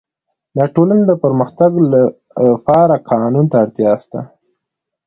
د ټولني د پرمختګ لپاره قانون ته اړتیا سته.